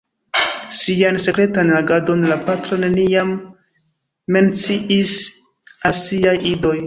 Sian sekretan agadon la patro neniam menciis al siaj idoj.